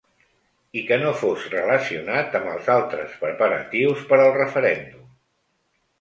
I que no fos relacionat amb els altres preparatius per al referèndum.